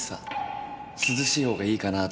涼しい方がいいかなと思って。